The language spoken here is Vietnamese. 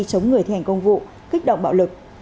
chống người thành công vụ kích động bạo lực